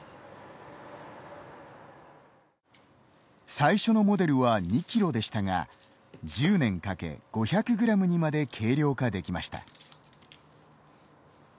最初のモデルは２キロでしたが１０年かけ、５００グラムにまで軽量化できました。